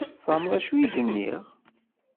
Tfehmeḍ d acu i d-nniɣ?